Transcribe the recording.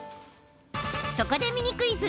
そこで、ミニクイズ。